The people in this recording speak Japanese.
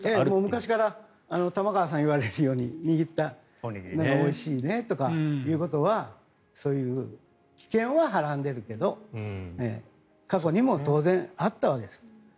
昔から玉川さんが言われるように握ったのがおいしいねとかっていうことはそういう危険ははらんでるけど過去にも当然あったわけです。